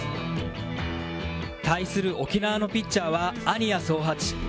対する沖縄のピッチャーは安仁屋宗八。